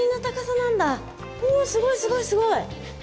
おすごいすごいすごい。